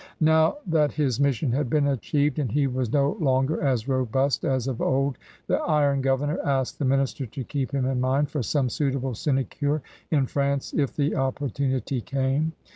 Now that his mission had been achieved and he was no longer as robust as of old, the Iron Gover nor asked the minister to keep him in mind for some suitable sinecure in France if the opportu nity came.